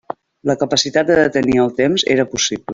La capacitat de detenir el temps era possible.